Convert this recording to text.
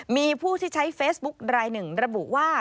มีผู้ที่ใช้เฟซบุ๊กรายหนึ่งระบุว่า